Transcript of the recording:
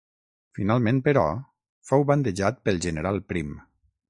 Finalment, però, fou bandejat pel general Prim.